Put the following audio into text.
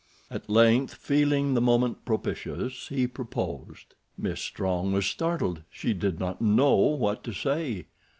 At length, feeling the moment propitious, he proposed. Miss Strong was startled. She did not know what to say.